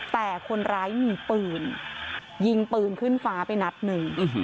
แต่คนร้ายมีปืนยิงปืนขึ้นฟ้าไปนัดหนึ่ง